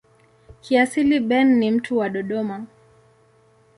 Kiasili Ben ni mtu wa Dodoma.